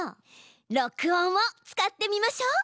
「録音」を使ってみましょう！